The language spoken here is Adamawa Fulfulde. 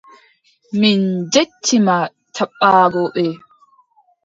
Min njetti ma jaɓɓaago ɓe.